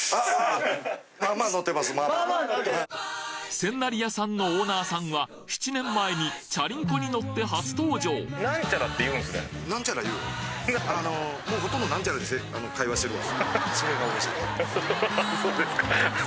千成屋さんのオーナーさんは７年前にチャリンコに乗って初登場ハハハ